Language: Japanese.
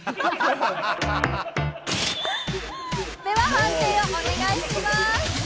判定をお願いします。